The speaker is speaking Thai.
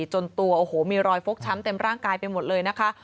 จนตัวโอ้โหมีรอยฟกช้ำเต็มร่างกายไปหมดเลยนะคะ